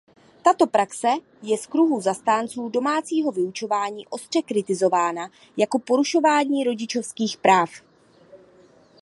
Tato praxe je z kruhů zastánců domácího vyučování ostře kritizována jako porušování rodičovských práv.